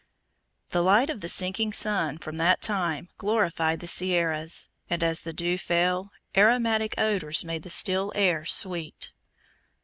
The light of the sinking sun from that time glorified the Sierras, and as the dew fell, aromatic odors made the still air sweet.